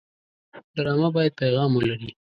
ډرامه باید پیغام ولري